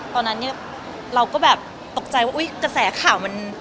ตอนนั้นเนี่ยเราก็แบบตกใจว่าอุ๊ยกระแสข่าวมัน